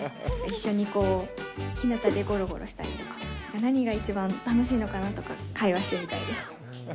一緒にこう、ひなたでごろごろしたりとか、何が一番楽しいのかなとか会話してみたいです。